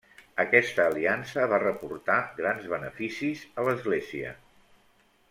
Aquesta aliança va reportar grans beneficis a l'Església.